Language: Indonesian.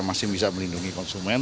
masih bisa melindungi konsumen